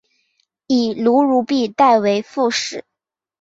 以卢汝弼代为副使。